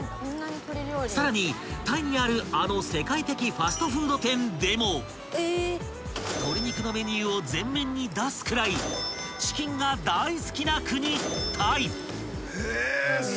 ［さらにタイにあるあの世界的ファストフード店でも鶏肉のメニューを前面に出すくらいチキンが大好きな国タイ］